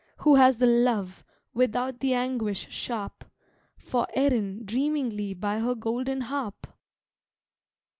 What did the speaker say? Who has the love, without the anguish sharp, For Erin dreamingly by her golden harp!